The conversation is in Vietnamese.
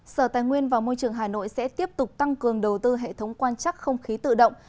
sở tài nguyên và môi trường hà nội sẽ tiếp tục tăng cường đầu tư hệ thống quan chắc không khí tự động